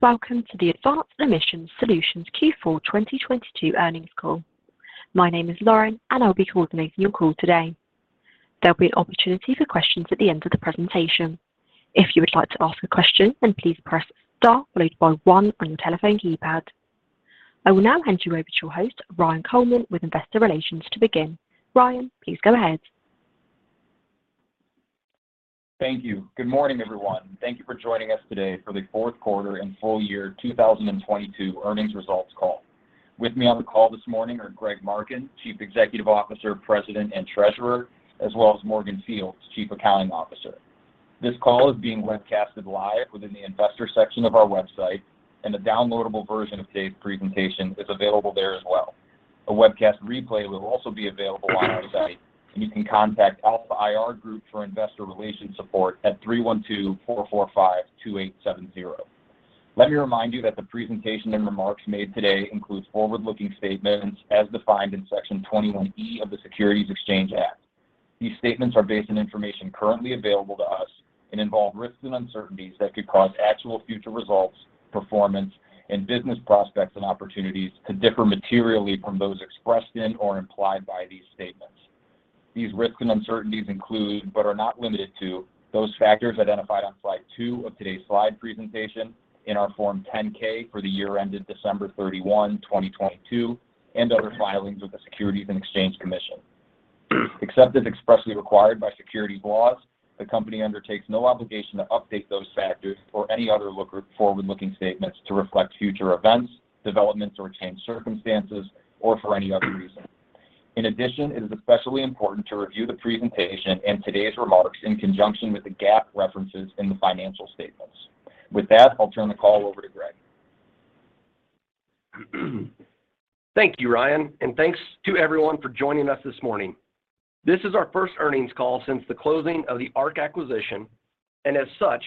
Welcome to the Advanced Emissions Solutions Q4 2022 Earnings Call. My name is Lauren. I'll be coordinating your call today. There'll be an opportunity for questions at the end of the presentation. If you would like to ask a question, please press star followed by one on your telephone keypad. I will now hand you over to your host, Ryan Coleman, with Investor Relations to begin. Ryan, please go ahead. Thank you. Good morning, everyone. Thank you for joining us today for the Fourth Quarter and Full Year 2022 Earnings Results Call. With me on the call this morning are Greg Marken, Chief Executive Officer, President, and Treasurer, as well as Morgan Fields, Chief Accounting Officer. This call is being webcasted live within the investor section of our website, and a downloadable version of today's presentation is available there as well. A webcast replay will also be available on our site, and you can contact Alpha IR Group for investor relations support at 312-445-2870. Let me remind you that the presentation and remarks made today includes forward-looking statements as defined in Section 21E of the Securities Exchange Act. These statements are based on information currently available to us and involve risks and uncertainties that could cause actual future results, performance, and business prospects and opportunities to differ materially from those expressed in or implied by these statements. These risks and uncertainties include, but are not limited to, those factors identified on slide two of today's slide presentation in our Form 10-K for the year ended December 31, 2022, and other filings with the Securities and Exchange Commission. Except as expressly required by securities laws, the company undertakes no obligation to update those factors or any other forward-looking statements to reflect future events, developments, or changed circumstances, or for any other reason. In addition, it is especially important to review the presentation and today's remarks in conjunction with the GAAP references in the financial statements. With that, I'll turn the call over to Greg. Thank you, Ryan, and thanks to everyone for joining us this morning. This is our first earnings call since the closing of the Arq acquisition. As such,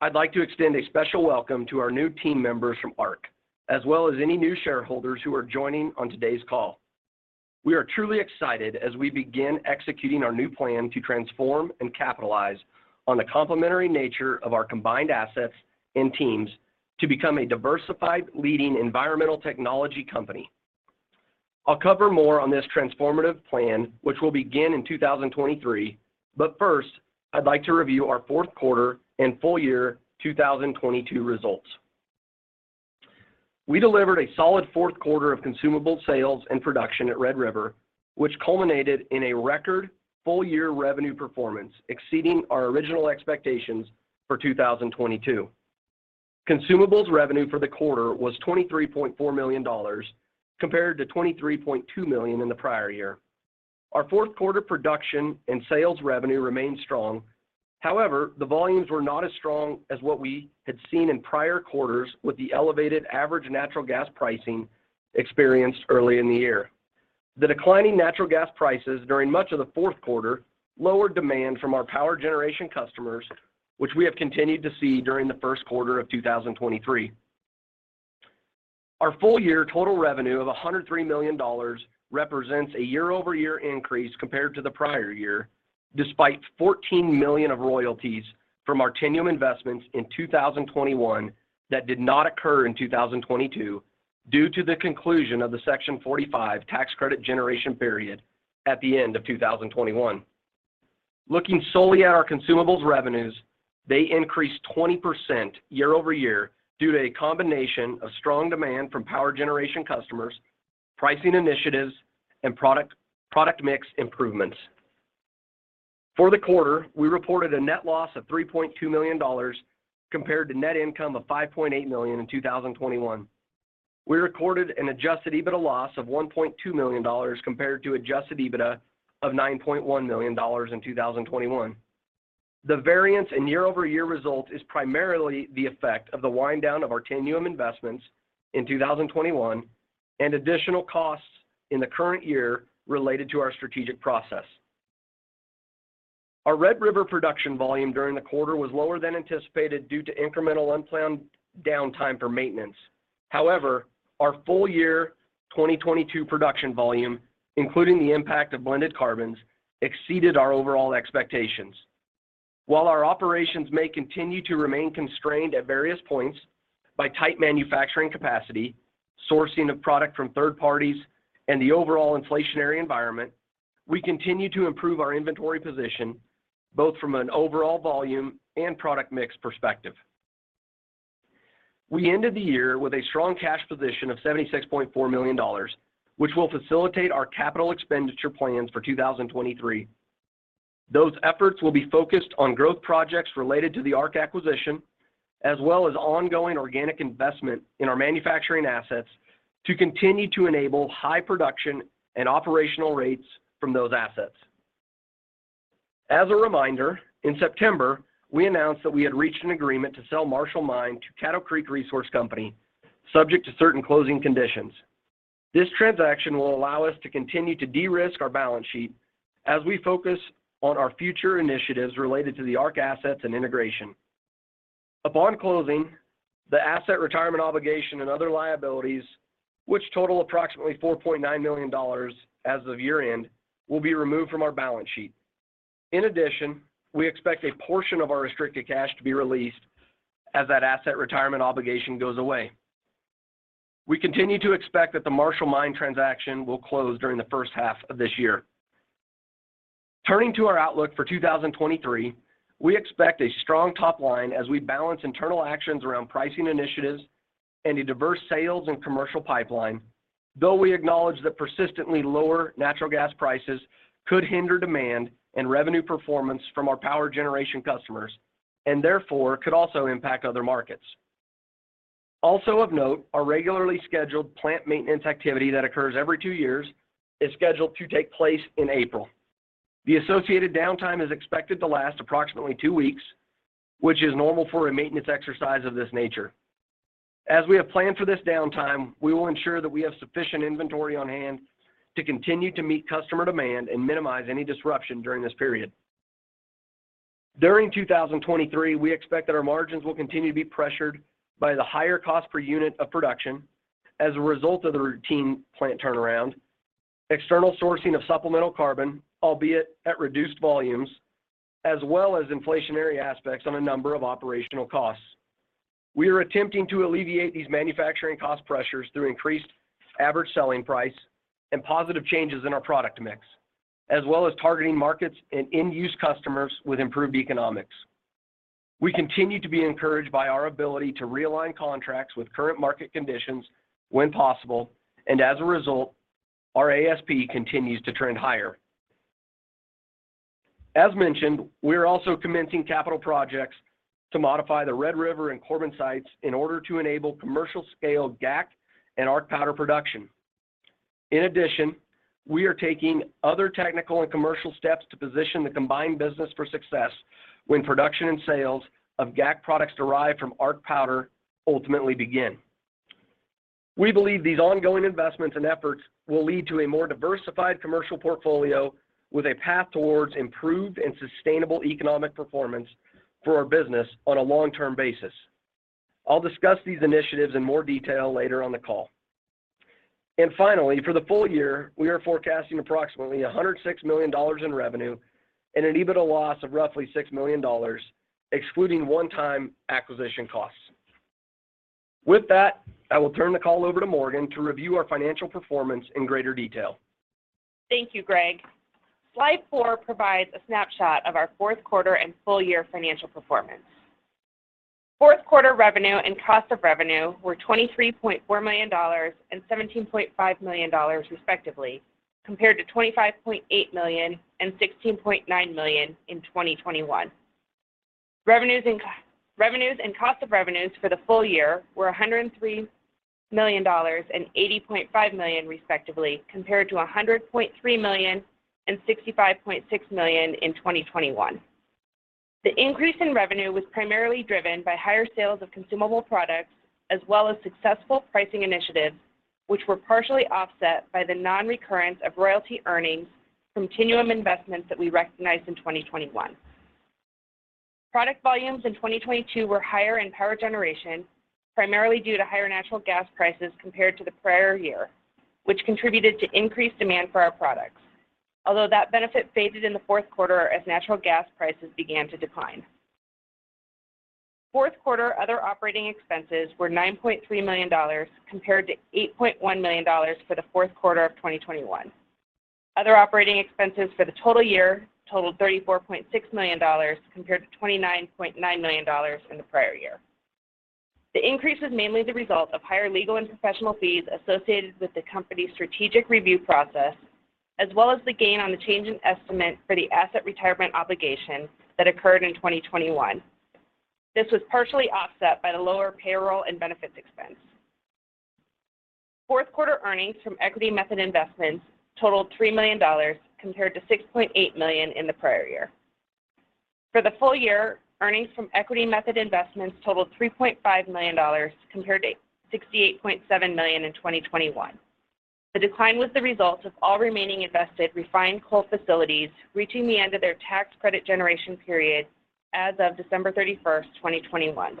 I'd like to extend a special welcome to our new team members from Arq, as well as any new shareholders who are joining on today's call. We are truly excited as we begin executing our new plan to transform and capitalize on the complementary nature of our combined assets and teams to become a diversified leading environmental technology company. I'll cover more on this transformative plan, which will begin in 2023, but first, I'd like to review our fourth quarter and full year 2022 results. We delivered a solid fourth quarter of consumable sales and production at Red River, which culminated in a record full-year revenue performance exceeding our original expectations for 2022. Consumables revenue for the quarter was $23.4 million compared to $23.2 million in the prior year. Our fourth quarter production and sales revenue remained strong. The volumes were not as strong as what we had seen in prior quarters with the elevated average natural gas pricing experienced early in the year. The declining natural gas prices during much of the fourth quarter lowered demand from our power generation customers, which we have continued to see during the first quarter of 2023. Our full year total revenue of $103 million represents a year-over-year increase compared to the prior year despite $14 million of royalties from our Tinuum investments in 2021 that did not occur in 2022 due to the conclusion of the Section 45 tax credit generation period at the end of 2021. Looking solely at our consumables revenues, they increased 20% year-over-year due to a combination of strong demand from power generation customers, pricing initiatives, and product mix improvements. For the quarter, we reported a net loss of $3.2 million compared to net income of $5.8 million in 2021. We recorded an adjusted EBITDA loss of $1.2 million compared to adjusted EBITDA of $9.1 million in 2021. The variance in year-over-year result is primarily the effect of the wind-down of our Tinuum investments in 2021 and additional costs in the current year related to our strategic process. Our Red River production volume during the quarter was lower than anticipated due to incremental unplanned downtime for maintenance. However, our full year 2022 production volume, including the impact of blended carbons, exceeded our overall expectations. While our operations may continue to remain constrained at various points by tight manufacturing capacity, sourcing of product from third parties, and the overall inflationary environment, we continue to improve our inventory position, both from an overall volume and product mix perspective. We ended the year with a strong cash position of $76.4 million, which will facilitate our capital expenditure plans for 2023. Those efforts will be focused on growth projects related to the Arq acquisition, as well as ongoing organic investment in our manufacturing assets to continue to enable high production and operational rates from those assets. As a reminder, in September, we announced that we had reached an agreement to sell Marshall Mine to Caddo Creek Resources Company, subject to certain closing conditions. This transaction will allow us to continue to de-risk our balance sheet as we focus on our future initiatives related to the Arq assets and integration. Upon closing, the asset retirement obligation and other liabilities, which total approximately $4.9 million as of year-end, will be removed from our balance sheet. We expect a portion of our restricted cash to be released as that asset retirement obligation goes away. We continue to expect that the Marshall Mine transaction will close during the first half of this year. Turning to our outlook for 2023, we expect a strong top line as we balance internal actions around pricing initiatives and a diverse sales and commercial pipeline. We acknowledge that persistently lower natural gas prices could hinder demand and revenue performance from our power generation customers, and therefore could also impact other markets. Of note, our regularly scheduled plant maintenance activity that occurs every two years is scheduled to take place in April. The associated downtime is expected to last approximately two weeks, which is normal for a maintenance exercise of this nature. As we have planned for this downtime, we will ensure that we have sufficient inventory on hand to continue to meet customer demand and minimize any disruption during this period. During 2023, we expect that our margins will continue to be pressured by the higher cost per unit of production as a result of the routine plant turnaround, external sourcing of supplemental carbon, albeit at reduced volumes, as well as inflationary aspects on a number of operational costs. We are attempting to alleviate these manufacturing cost pressures through increased average selling price and positive changes in our product mix, as well as targeting markets and end-use customers with improved economics. We continue to be encouraged by our ability to realign contracts with current market conditions when possible, and as a result, our ASP continues to trend higher. As mentioned, we are also commencing capital projects to modify the Red River and Corbin sites in order to enable commercial scale GAC and Arq Powder production. In addition, we are taking other technical and commercial steps to position the combined business for success when production and sales of GAC products derived from Arq Powder ultimately begin. We believe these ongoing investments and efforts will lead to a more diversified commercial portfolio with a path towards improved and sustainable economic performance for our business on a long-term basis. I'll discuss these initiatives in more detail later on the call. Finally, for the full year, we are forecasting approximately $106 million in revenue and an EBITDA loss of roughly $6 million, excluding one-time acquisition costs. With that, I will turn the call over to Morgan to review our financial performance in greater detail. Thank you, Greg. Slide four provides a snapshot of our fourth quarter and full year financial performance. Fourth quarter revenue and cost of revenue were $23.4 million and $17.5 million respectively, compared to $25.8 million and $16.9 million in 2021. Revenues and cost of revenues for the full year were $103 million and $80.5 million respectively, compared to $100.3 million and $65.6 million in 2021. The increase in revenue was primarily driven by higher sales of consumable products as well as successful pricing initiatives, which were partially offset by the non-recurrence of royalty earnings from Tinuum investments that we recognized in 2021. Product volumes in 2022 were higher in power generation, primarily due to higher natural gas prices compared to the prior year, which contributed to increased demand for our products. That benefit faded in the fourth quarter as natural gas prices began to decline. Fourth quarter other operating expenses were $9.3 million compared to $8.1 million for the fourth quarter of 2021. Other operating expenses for the total year totaled $34.6 million compared to $29.9 million in the prior year. The increase was mainly the result of higher legal and professional fees associated with the company's strategic review process as well as the gain on the change in estimate for the asset retirement obligation that occurred in 2021. This was partially offset by the lower payroll and benefits expense. Fourth quarter earnings from equity method investments totaled $3 million compared to $6.8 million in the prior year. For the full year, earnings from equity method investments totaled $3.5 million compared to $68.7 million in 2021. The decline was the result of all remaining invested refined coal facilities reaching the end of their tax credit generation period as of December 31st, 2021.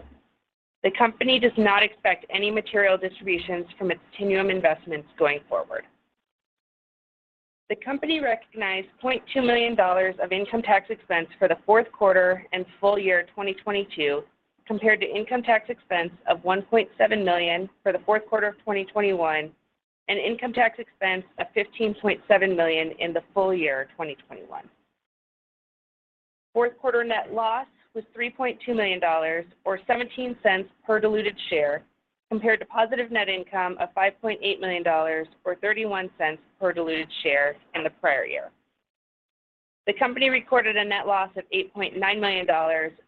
The company does not expect any material distributions from its Tinuum investments going forward. The company recognized $0.2 million of income tax expense for the fourth quarter and full year 2022 compared to income tax expense of $1.7 million for the fourth quarter of 2021 and income tax expense of $15.7 million in the full year 2021. Fourth quarter net loss was $3.2 million or $0.17 per diluted share compared to positive net income of $5.8 million or $0.31 per diluted share in the prior year. The company recorded a net loss of $8.9 million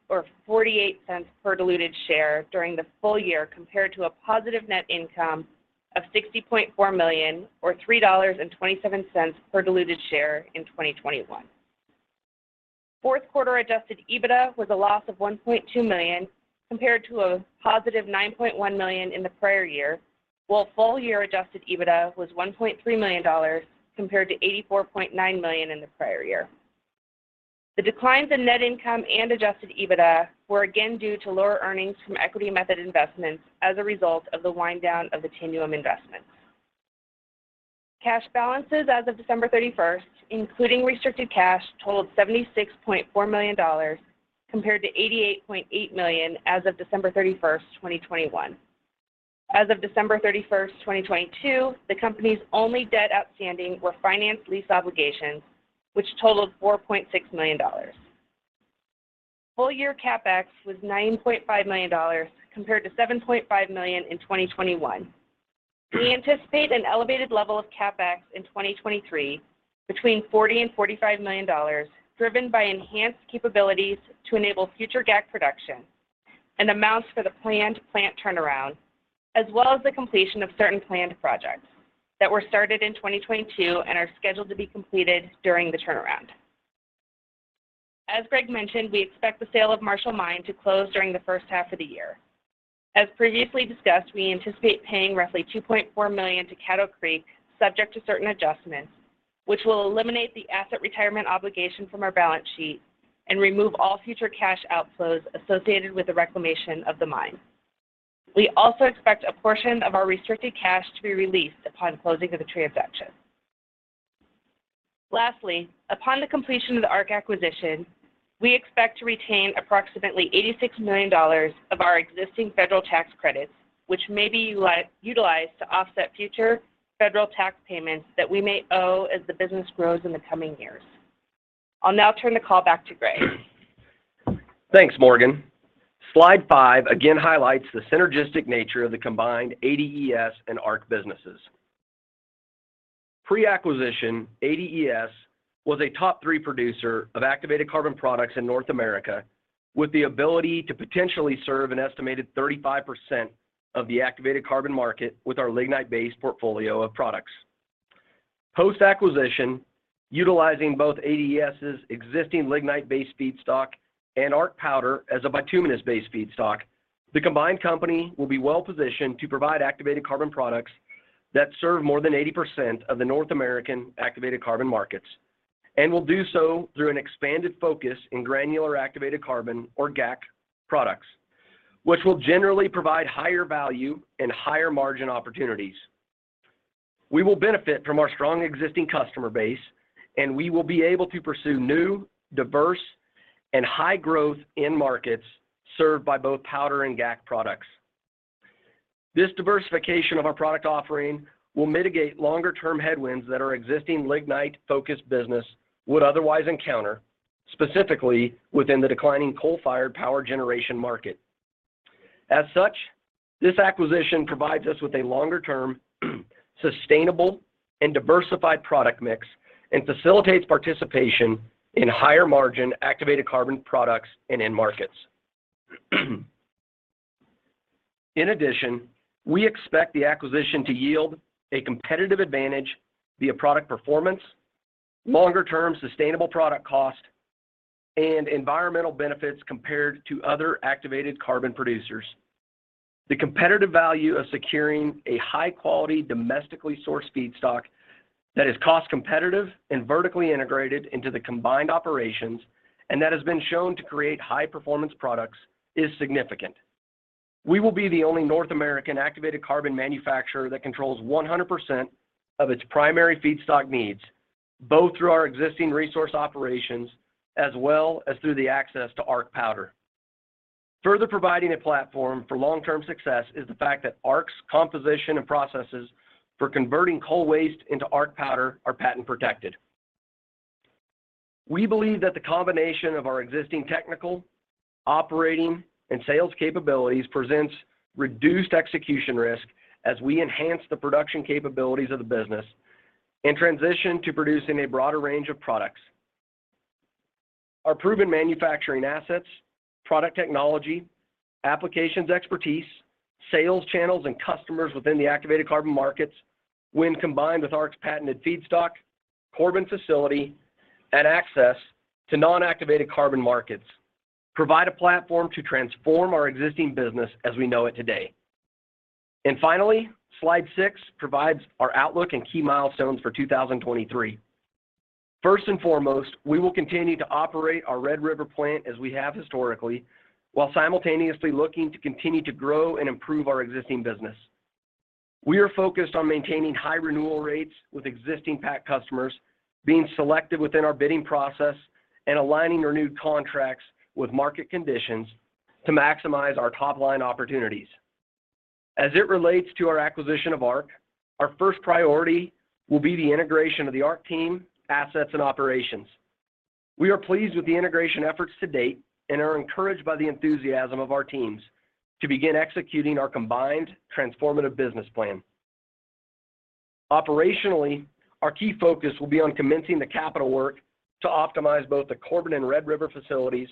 or $0.48 per diluted share during the full year compared to a positive net income of $60.4 million or $3.27 per diluted share in 2021. Fourth quarter adjusted EBITDA was a loss of $1.2 million compared to a positive $9.1 million in the prior year, while full year adjusted EBITDA was $1.3 million compared to $84.9 million in the prior year. The declines in net income and adjusted EBITDA were again due to lower earnings from equity method investments as a result of the wind down of the Tinuum investments. Cash balances as of December 31, including restricted cash totaled $76.4 million compared to $88.8 million as of December 31, 2021. As of December 31, 2022, the company's only debt outstanding were finance lease obligations, which totaled $4.6 million. Full year CapEx was $9.5 million compared to $7.5 million in 2021. We anticipate an elevated level of CapEx in 2023 between $40 million-$45 million, driven by enhanced capabilities to enable future GAAP production and amounts for the planned plant turnaround, as well as the completion of certain planned projects that were started in 2022 and are scheduled to be completed during the turnaround. As Greg mentioned, we expect the sale of Marshall Mine to close during the first half of the year. As previously discussed, we anticipate paying roughly $2.4 million to Caddo Creek, subject to certain adjustments, which will eliminate the asset retirement obligation from our balance sheet and remove all future cash outflows associated with the reclamation of the mine. We also expect a portion of our restricted cash to be released upon closing of the transaction. Upon the completion of the Arq acquisition, we expect to retain approximately $86 million of our existing federal tax credits, which may be utilized to offset future federal tax payments that we may owe as the business grows in the coming years. I'll now turn the call back to Greg. Thanks, Morgan. Slide five again highlights the synergistic nature of the combined ADES and Arq businesses. Pre-acquisition, ADES was a top three producer of activated carbon products in North America, with the ability to potentially serve an estimated 35% of the activated carbon market with our lignite-based portfolio of products. Post-acquisition, utilizing both ADES's existing lignite-based feedstock and Arq Powder as a bituminous-based feedstock, the combined company will be well-positioned to provide activated carbon products that serve more than 80% of the North American activated carbon markets and will do so through an expanded focus in granular activated carbon or GAC products, which will generally provide higher value and higher margin opportunities. We will benefit from our strong existing customer base, and we will be able to pursue new, diverse, and high growth end markets served by both powder and GAC products. This diversification of our product offering will mitigate longer-term headwinds that our existing lignite-focused business would otherwise encounter, specifically within the declining coal-fired power generation market. This acquisition provides us with a longer-term sustainable and diversified product mix and facilitates participation in higher margin activated carbon products and end markets. In addition, we expect the acquisition to yield a competitive advantage via product performance, longer-term sustainable product cost, and environmental benefits compared to other activated carbon producers. The competitive value of securing a high-quality, domestically sourced feedstock that is cost-competitive and vertically integrated into the combined operations and that has been shown to create high-performance products is significant. We will be the only North American activated carbon manufacturer that controls 100% of its primary feedstock needs, both through our existing resource operations as well as through the access to Arq Powder. Further providing a platform for long-term success is the fact that Arq's composition and processes for converting coal waste into Arq Powder are patent protected. We believe that the combination of our existing technical, operating, and sales capabilities presents reduced execution risk as we enhance the production capabilities of the business and transition to producing a broader range of products. Our proven manufacturing assets, product technology, applications expertise, sales channels, and customers within the activated carbon markets when combined with Arq's patented feedstock, Corbin facility, and access to non-activated carbon markets provide a platform to transform our existing business as we know it today. Finally, slide six provides our outlook and key milestones for 2023. First and foremost, we will continue to operate our Red River plant as we have historically while simultaneously looking to continue to grow and improve our existing business. We are focused on maintaining high renewal rates with existing PAC customers being selected within our bidding process and aligning renewed contracts with market conditions to maximize our top-line opportunities. As it relates to our acquisition of Arq, our first priority will be the integration of the Arq team, assets, and operations. We are pleased with the integration efforts to date and are encouraged by the enthusiasm of our teams to begin executing our combined transformative business plan. Operationally, our key focus will be on commencing the capital work to optimize both the Corbin and Red River facilities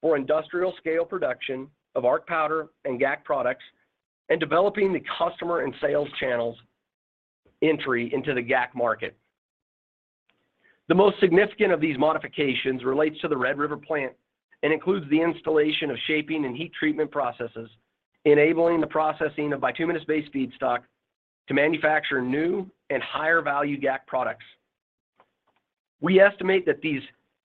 for industrial scale production of Arq Powder and GAC products and developing the customer and sales channels entry into the GAC market. The most significant of these modifications relates to the Red River plant and includes the installation of shaping and heat treatment processes, enabling the processing of bituminous-based feedstock to manufacture new and higher value GAC products. We estimate that these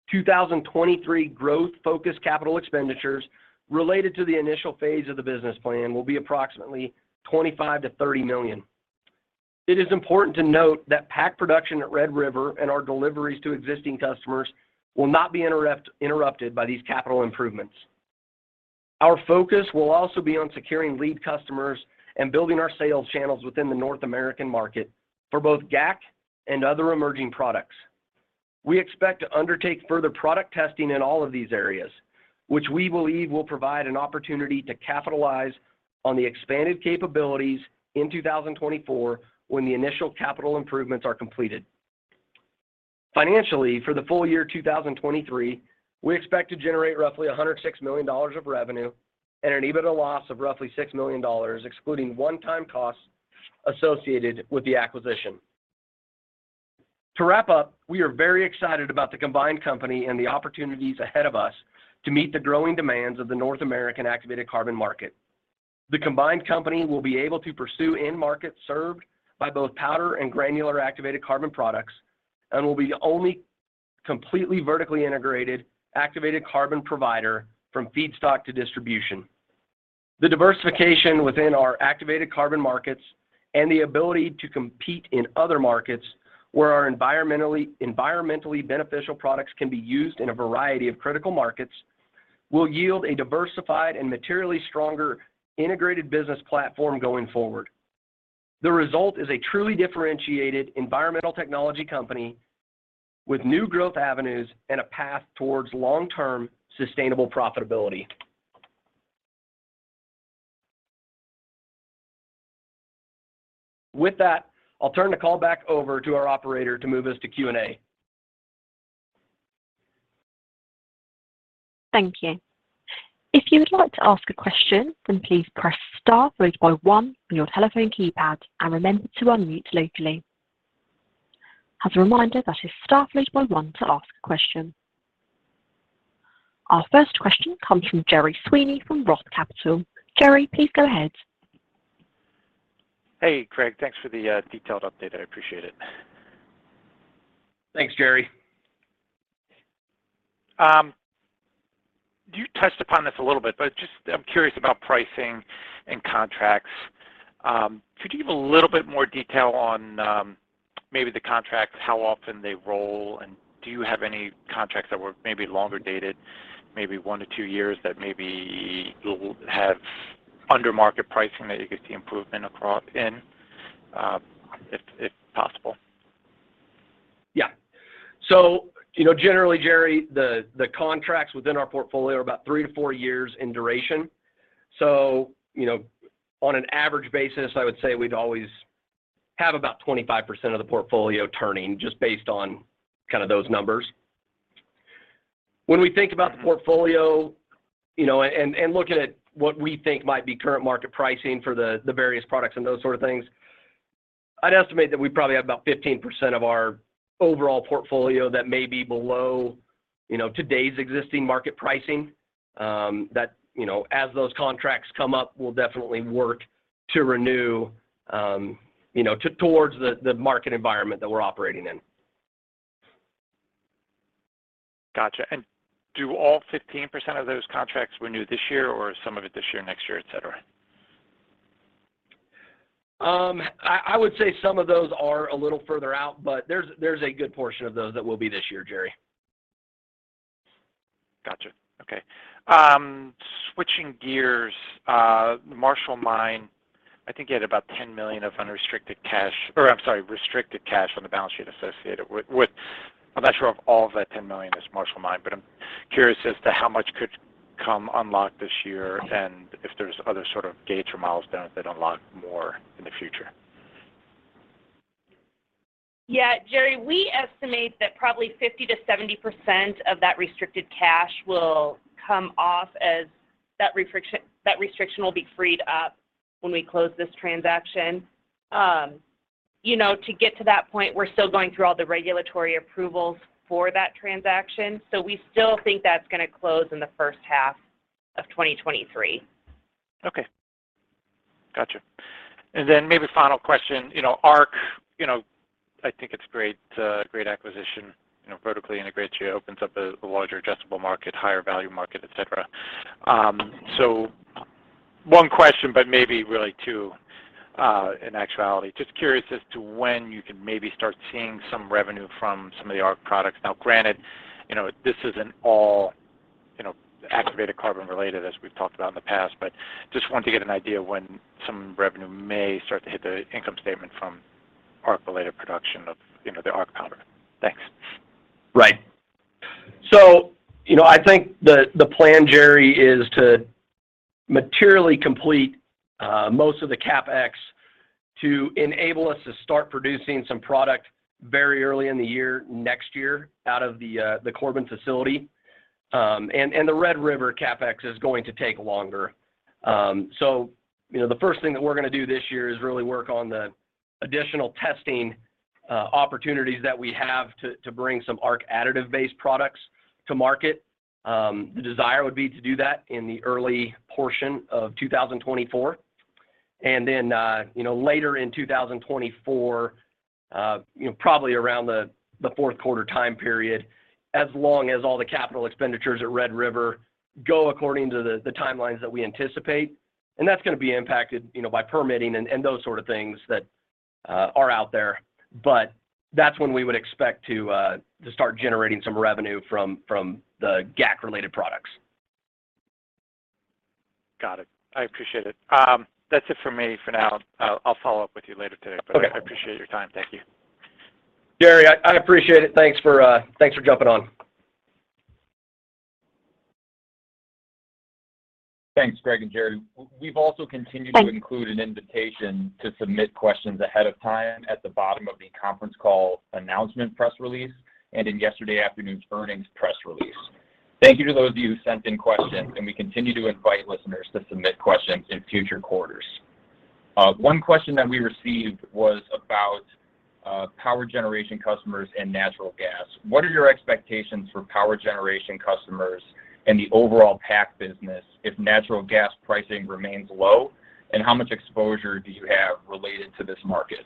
2023 growth focused CapEx related to the initial phase of the business plan will be approximately $25 million-$30 million. It is important to note that PAC production at Red River and our deliveries to existing customers will not be interrupted by these capital improvements. Our focus will also be on securing lead customers and building our sales channels within the North American market for both GAC and other emerging products. We expect to undertake further product testing in all of these areas, which we believe will provide an opportunity to capitalize on the expanded capabilities in 2024 when the initial capital improvements are completed. Financially, for the full year 2023, we expect to generate roughly $106 million of revenue and an EBITDA loss of roughly $6 million, excluding one-time costs associated with the acquisition. To wrap up, we are very excited about the combined company and the opportunities ahead of us to meet the growing demands of the North American activated carbon market. The combined company will be able to pursue end markets served by both powder and granular activated carbon products and will be only completely vertically integrated activated carbon provider from feedstock to distribution. The diversification within our activated carbon markets and the ability to compete in other markets where our environmentally beneficial products can be used in a variety of critical markets will yield a diversified and materially stronger integrated business platform going forward. The result is a truly differentiated environmental technology company with new growth avenues and a path towards long-term sustainable profitability. With that, I'll turn the call back over to our operator to move us to Q&A. Thank you. If you would like to ask a question, then please press star followed by 1 on your telephone keypad and remember to unmute locally. As a reminder, that is star followed by 1 to ask a question. Our first question comes from Gerry Sweeney from Roth Capital. Gerry, please go ahead. Hey, Greg. Thanks for the detailed update. I appreciate it. Thanks, Gerry. You touched upon this a little bit, but just I'm curious about pricing and contracts. Could you give a little bit more detail on, maybe the contracts, how often they roll, and do you have any contracts that were maybe longer dated, maybe 1 to 2 years that maybe you'll have under market pricing that you could see improvement across in, if possible? Yeah. You know, generally, Gerry, the contracts within our portfolio are about three to four years in duration. You know, on an average basis, I would say we'd always have about 25% of the portfolio turning just based on kind of those numbers. When we think about the portfolio, you know, and looking at what we think might be current market pricing for the various products and those sort of things, I'd estimate that we probably have about 15% of our overall portfolio that may be below, you know, today's existing market pricing. That, you know, as those contracts come up, we'll definitely work to renew, you know, towards the market environment that we're operating in. Gotcha. Do all 15% of those contracts renew this year or some of it this year, next year, et cetera? I would say some of those are a little further out, but there's a good portion of those that will be this year, Gerry. Gotcha. Okay. Switching gears, the Marshall Mine, I think you had about $10 million of unrestricted cash, or I'm sorry, restricted cash on the balance sheet associated with. I'm not sure if all of that $10 million is Marshall Mine, but I'm curious as to how much could come unlocked this year and if there's other sort of gates or milestones that unlock more in the future. Yeah, Gerry, we estimate that probably 50%-70% of that restricted cash will come off as that restriction will be freed up when we close this transaction. You know, to get to that point, we're still going through all the regulatory approvals for that transaction. We still think that's gonna close in the first half of 2023. Okay. Gotcha. Maybe final question. You know, Arq, you know, I think it's great acquisition. You know, vertically integrates you, opens up a larger addressable market, higher value market, et cetera. One question, but maybe really two in actuality. Just curious as to when you can maybe start seeing some revenue from some of the Arq products. Now granted, you know, this isn't all, you know, activated carbon related as we've talked about in the past, but just wanted to get an idea when some revenue may start to hit the income statement from Arq related production of, you know, the Arq Powder. Thanks. Right. You know, I think the plan, Gerry, is to materially complete most of the CapEx to enable us to start producing some product very early in the year, next year out of the Corbin facility. The Red River CapEx is going to take longer. You know, the first thing that we're gonna do this year is really work on the additional testing opportunities that we have to bring some Arq Additives based products to market. The desire would be to do that in the early portion of 2024. Then, you know, later in 2024, you know, probably around the fourth quarter time period, as long as all the capital expenditures at Red River go according to the timelines that we anticipate. That's gonna be impacted, you know, by permitting and those sort of things that are out there. That's when we would expect to start generating some revenue from the GAC-related products. Got it. I appreciate it. That's it for me for now. I'll follow up with you later today. Okay. I appreciate your time. Thank you. Gerry, I appreciate it. Thanks for jumping on. Thanks, Greg and Gerry. We've also continued to include an invitation to submit questions ahead of time at the bottom of the conference call announcement press release, and in yesterday afternoon's earnings press release. Thank you to those of you who sent in questions, and we continue to invite listeners to submit questions in future quarters. One question that we received was about power generation customers and natural gas. What are your expectations for power generation customers and the overall PAC business if natural gas pricing remains low, and how much exposure do you have related to this market?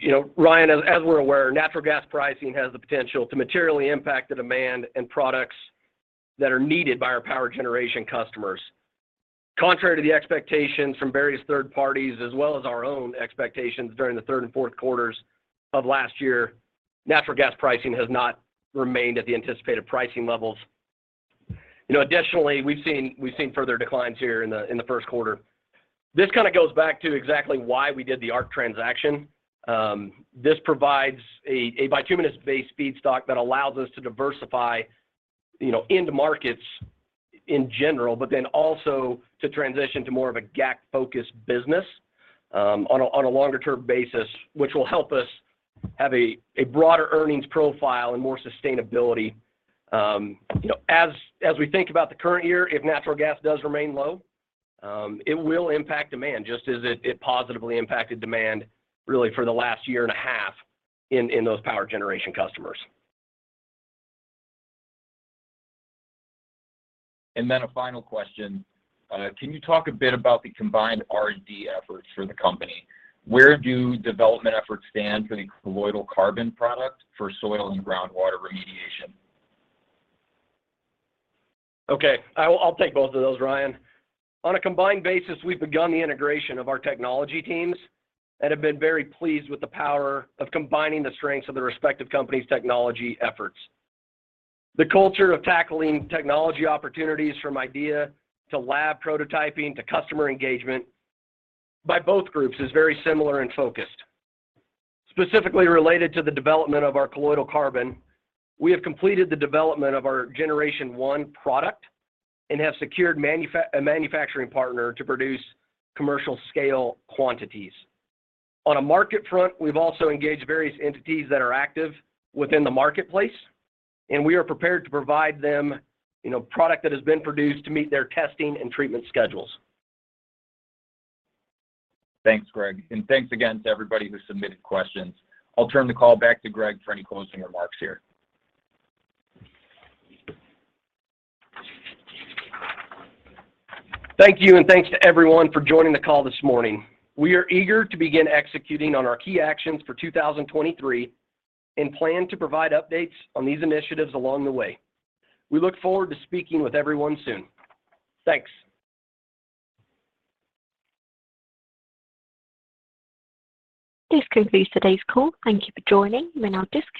You know, Ryan, as we're aware, natural gas pricing has the potential to materially impact the demand and products that are needed by our power generation customers. Contrary to the expectations from various third parties as well as our own expectations during the third and fourth quarters of last year, natural gas pricing has not remained at the anticipated pricing levels. You know, additionally, we've seen further declines here in the first quarter. This kind of goes back to exactly why we did the Arq transaction. This provides a bituminous-based feedstock that allows us to diversify, you know, into markets in general, also to transition to more of a GAC-focused business on a longer term basis, which will help us have a broader earnings profile and more sustainability. You know, as we think about the current year, if natural gas does remain low, it will impact demand just as it positively impacted demand really for the last year and a half in those power generation customers. Then a final question. Can you talk a bit about the combined R&D efforts for the company? Where do development efforts stand for the Colloidal Carbon Product for soil and groundwater remediation? Okay. I'll take both of those, Ryan. On a combined basis, we've begun the integration of our technology teams and have been very pleased with the power of combining the strengths of the respective company's technology efforts. The culture of tackling technology opportunities from idea to lab prototyping to customer engagement by both groups is very similar and focused. Specifically related to the development of our colloidal carbon, we have completed the development of our generation one product and have secured a manufacturing partner to produce commercial scale quantities. On a market front, we've also engaged various entities that are active within the marketplace, and we are prepared to provide them, you know, product that has been produced to meet their testing and treatment schedules. Thanks, Greg. Thanks again to everybody who submitted questions. I'll turn the call back to Greg for any closing remarks here. Thank you. Thanks to everyone for joining the call this morning. We are eager to begin executing on our key actions for 2023 and plan to provide updates on these initiatives along the way. We look forward to speaking with everyone soon. Thanks. This concludes today's call. Thank you for joining. You may now disconnect.